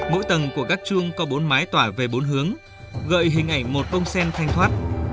mỗi tầng của gác chuông có bốn mái tỏa về bốn hướng gợi hình ảnh một cm thanh thoát